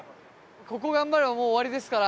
ここ頑張ればもう終わりですから。